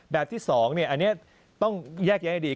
แบบที่สองต้องแยกอย่างให้ดี